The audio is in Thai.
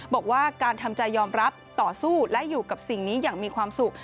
บอกว่าการทำใจยอมรับต่อสู้และอยู่กับสิ่งนี้อย่างมีความสุข